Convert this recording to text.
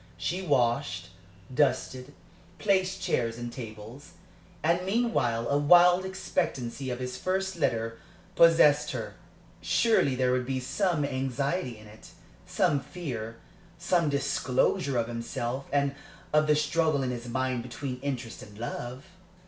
She washed, dusted, placed chairs and tables. And meanwhile a wild expectancy of his first letter possessed her. Surely there would be some anxiety in it, some fear, some disclosure of himself, and of the struggle in his mind between interest and love?